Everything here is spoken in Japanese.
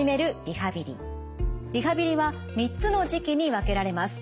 リハビリは３つの時期に分けられます。